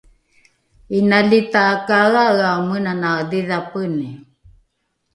inali takaeaea menanae dhidhapeni